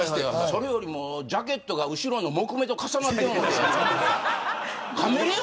それよりもジャケットが後ろの木目と重なってる。